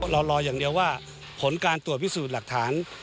รออย่างเดียวว่าผลการตรวจพิสูจน์หลักฐาน